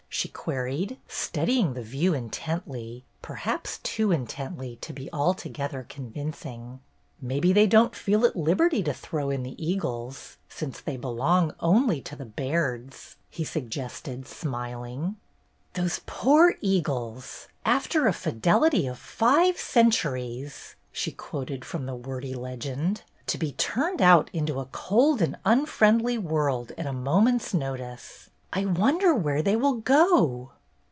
she queried, studying the view intently, perhaps too intently to be altogether convincing. "Maybe they don't feel at liberty to throw in the eagles, since they belong only to the Bairds," he suggested, smiling. 304 BETTY BAIRD'S GOLDEN YEAR "Those poor eagles! 'After a fidelity of five centuries/'' she quoted from the wordy legend, " to be turned out into a cold and un friendly world at a moment's notice 1 I wonder where they will go."